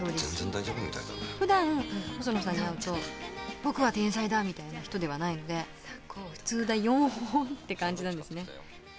ふだん細野さんに会うと「僕は天才だ」みたいな人ではないので普通だよんって感じなんですね。